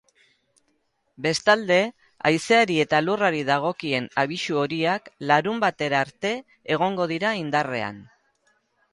Bestalde, haizeari eta elurrari dagokien abisu horiak larunbatera arte egongo dira indarrean.